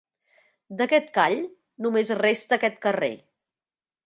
D'aquest call només resta aquest carrer.